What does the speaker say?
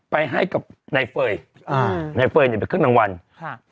ไปให้กับนายเฟย์อ่านายเฟย์เนี้ยเป็นเครื่องรางวัลค่ะ